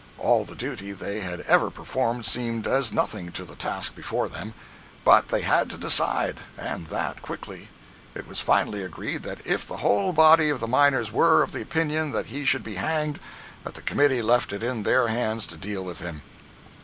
All the duty they had ever performed seemed as nothing to the task before them; but they had to decide, and that quickly. It was finally agreed that if the whole body of the miners were of the opinion that he should be hanged, that the committee left it in their hands to deal with him.